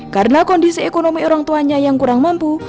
karena kondisi ekonomi orang tuanya yang kurang mampu